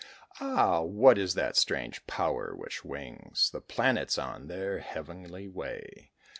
Ah! what is that strange power which wings The planets on their heavenly way?